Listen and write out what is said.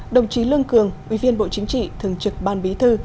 đồng chí lương cường ủy viên bộ chính trị thường trực ban bí thư